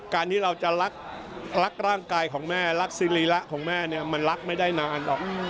การที่เราจะรักร่างกายของแม่รักซีรีระของแม่เนี่ยมันรักไม่ได้นานหรอก